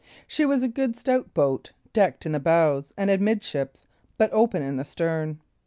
She was a good stout boat, decked in the bows and amidships, but open in the stern.